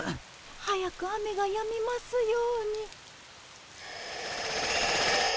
早く雨がやみますように。